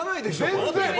全然。